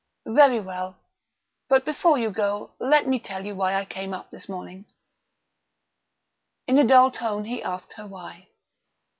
Very well. But before you go let me tell you why I came up this morning." In a dull tone he asked her why.